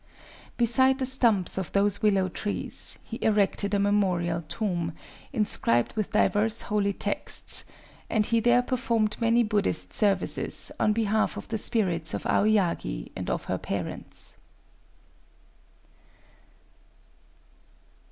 Beside the stumps of those willow trees he erected a memorial tomb, inscribed with divers holy texts; and he there performed many Buddhist services on behalf of the spirits of Aoyagi and of her parents.